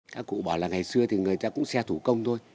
các cụ bảo là ngày xưa thì người ta cũng xe thủ công thôi